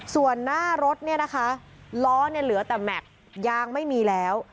ส่วนหน้ารถเนี่ยนะคะล้อเนี่ยเหลือแต่แม็กซ์ยางไม่มีแล้ว